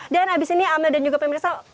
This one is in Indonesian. dan abis ini amel dan juga pemirsa